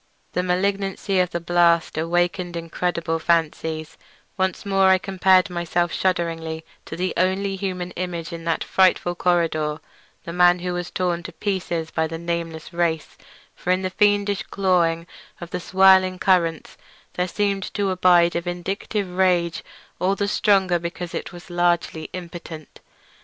The malignancy of the blast awakened incredible fancies; once more I compared myself shudderingly to the only other human image in that frightful corridor, the man who was torn to pieces by the nameless race, for in the fiendish clawing of the swirling currents there seemed to abide a vindictive rage all the stronger because it was largely impotent.